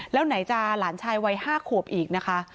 แล้วไหนจะหลานชายวัย๕ขวบอีกนะคะ